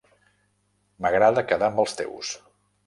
M'agrada quedar amb els teus.